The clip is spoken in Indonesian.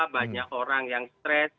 banyak orang yang stress